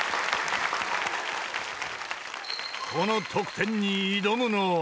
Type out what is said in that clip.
［この得点に挑むのは］